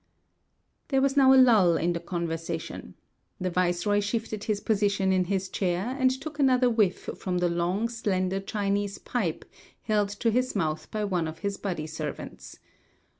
There was now a lull in the conversation. The viceroy shifted his position in his chair, and took another whiff from the long, slender Chinese pipe held to his mouth by one of his body servants.